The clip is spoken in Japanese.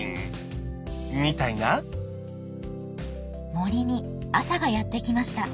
森に朝がやって来ました。